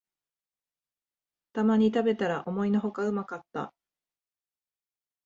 たまに食べたら思いのほかうまかった